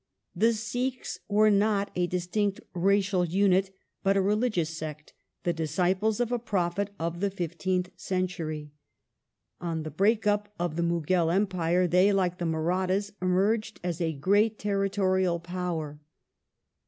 The Sikhs were not a distinct racial unit, but a religious sect, the disciples ^ of a prophet of the fifteenth century. On the break up of the Mughal Empire they, like the Marathas, emerged as a great territorial power.